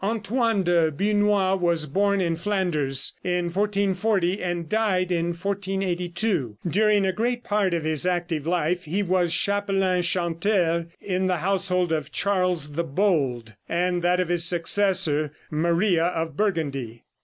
Antoine de Busnois was born in Flanders in 1440, and died in 1482. During a great part of his active life he was chapelain chanteur in the household of Charles the Bold, and that of his successor, Maria of Burgundy.